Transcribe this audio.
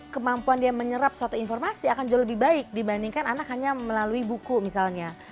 kemampuan dia menyerap suatu informasi akan jauh lebih baik dibandingkan anak hanya melalui buku misalnya